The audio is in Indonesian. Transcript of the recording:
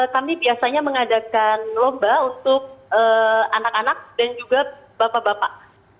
kami biasanya mengadakan lomba untuk anak anak dan juga bapak bapak